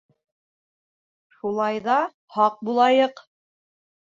— Шулай ҙа, һаҡ булайыҡ.